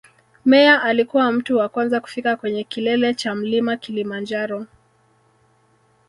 Meyer alikuwa mtu wa kwanza kufika kwenye kilele cha mlima kilimanjaro